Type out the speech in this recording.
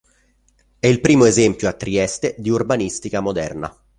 È il primo esempio a Trieste di urbanistica moderna.